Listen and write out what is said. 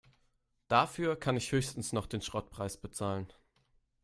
Dafür kann ich höchstens noch den Schrottpreis bezahlen.